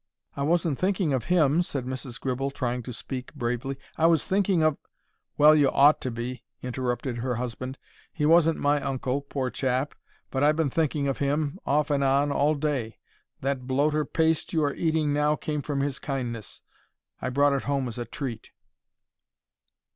"I wasn't thinking of him," said Mrs. Gribble, trying to speak bravely. "I was thinking of——" "Well, you ought to be," interrupted her husband. "He wasn't my uncle, poor chap, but I've been thinking of him, off and on, all day. That bloater paste you are eating now came from his kindness. I brought it home as a treat."